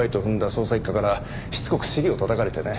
捜査一課からしつこく尻をたたかれてね。